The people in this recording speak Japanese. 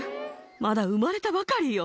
まだ生まれたばかりよ。